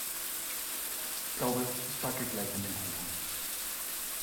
Ich glaube, ich backe gleich einen Kuchen.